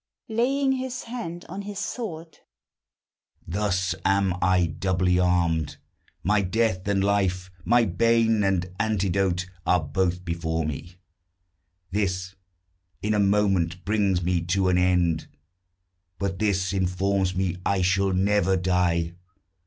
(Laying his hand on his sword.) Thus am I doubly armed: my death and life, My bane and antidote, are both before me: This in a moment brings me to an end; But this informs me I shall never die.